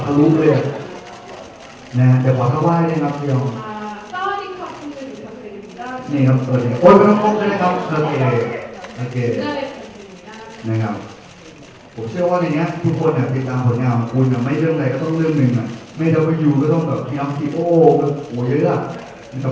ครับดีด้วยเนี่ยก็ฝากติดตามผลงานของคุณปินมสท์นอนซ็อกด้วยครับ